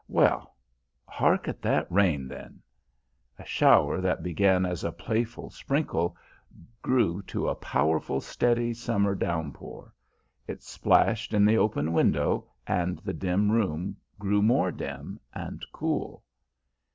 Well, hark at that rain then!" A shower that began as a playful sprinkle grew to a powerful steady summer downpour. It splashed in the open window and the dim room grew more dim, and cool.